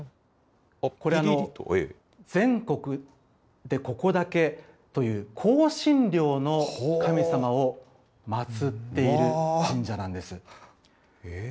これ、全国でここだけという、香辛料の神様を祭っている神社なんです。